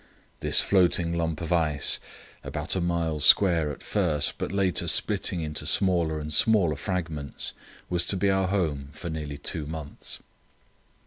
This floating lump of ice, about a mile square at first but later splitting into smaller and smaller fragments, was to be our home for nearly two months.